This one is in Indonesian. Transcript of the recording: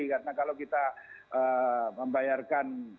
karena kalau kita membayarkan